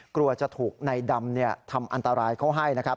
กลัวจะถูกในดำทำอันตรายเขาให้นะครับ